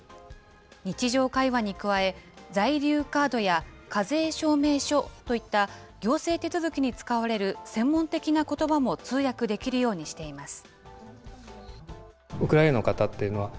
日常会話に加え、在留カードや課税証明書といった行政手続きに使われる専門的なことばも通訳できるようにしています。